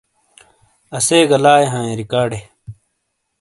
اسے گہ لاے ہیں ریکارڈ ے